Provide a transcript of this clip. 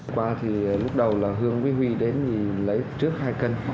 qua thì lúc đầu là hương với huy đến thì lấy trước hai cân